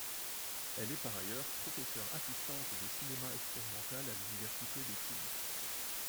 Elle est par ailleurs professeure assistante de cinéma expérimental à l'université de Tunis.